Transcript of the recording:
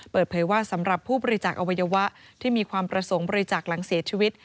เปิดเผยว่าสำหรับผู้บริจาคอวัยวะที่มีความประสงค์บริจาคหลังเสียชีวิต